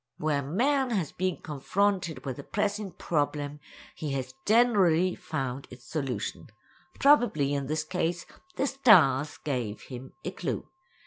Where man has been confronted with a pressing problem he has generally found its solution. Probably in this case the stars gave him a clue.